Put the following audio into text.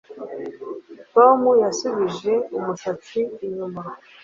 Tom yasubije umusatsi inyuma